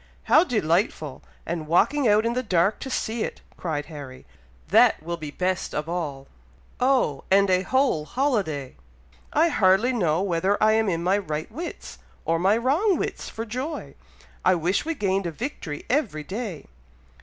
"How delightful! and walking out in the dark to see it," cried Harry; "that will be best of all! oh! and a whole holiday! I hardly know whether I am in my right wits, or my wrong wits, for joy! I wish we gained a victory every day!"